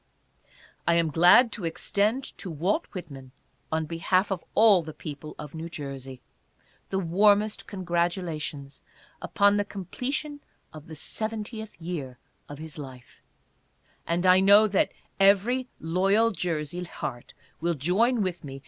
.... I am glad to extend to Walt Whitman, on behalf of all the people of New Jersey, the warmest con gratulations upon the completion of the seventieth year of his life, and I know that every loyal Jersey heart will join with me ARMSTR ONG— GILDER.